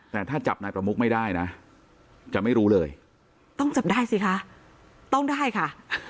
แต่ถ้าจับนายประมุกไม่ได้นะจะไม่รู้เลยต้องจับได้สิคะต้องได้ค่ะ